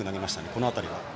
この辺りは？